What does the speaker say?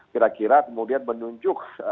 kira kira kemudian menunjuk